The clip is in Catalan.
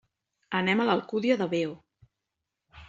Anem a l'Alcúdia de Veo.